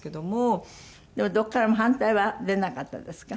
でもどこからも反対は出なかったですか？